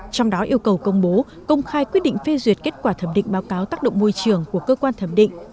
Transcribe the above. trong đó yêu cầu công bố công khai quyết định phê duyệt kết quả thẩm định báo cáo tác động môi trường của cơ quan thẩm định